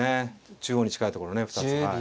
中央に近いところね二つはい。